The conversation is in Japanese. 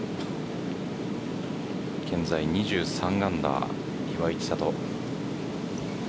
現在２３アンダー岩井千怜。